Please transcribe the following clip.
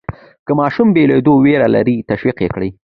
که ماشوم بېلېدو وېره لري، تشویق یې کړئ.